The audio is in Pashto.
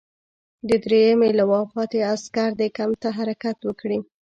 د دریمې لواء پاتې عسکر دې کمپ ته حرکت وکړي.